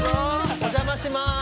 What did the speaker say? お邪魔します！